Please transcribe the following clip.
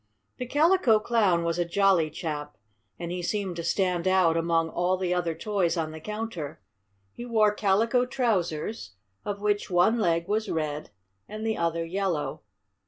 The Calico Clown was a jolly chap, and he seemed to stand out among all the other toys on the counter. He wore calico trousers of which one leg was red and the other yellow.